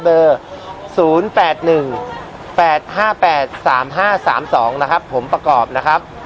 เบอร์ศูนย์แปดหนึ่งแปดห้าแปดสามห้าสามสองนะครับผมประกอบนะครับ